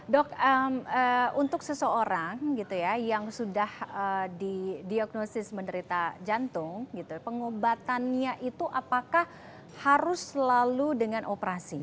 dok untuk seseorang yang sudah di diagnosis menderita jantung pengobatannya itu apakah harus selalu dengan operasi